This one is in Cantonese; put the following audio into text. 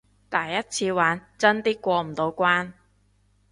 第一次玩，爭啲過唔到關